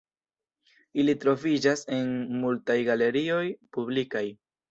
Ili troviĝas en multaj galerioj publikaj.